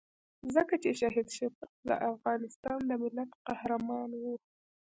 ځکه چې شهید شفیق د افغانستان د ملت قهرمان وو.